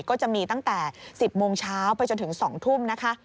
ก็จะมีตั้งแต่๑๐โมงเช้าไปจนถึง๒ทุ่มนะคะ